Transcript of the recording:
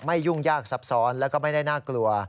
ไม่ยุ่งยากซับซ้อนและไม่ได้น่ากลัว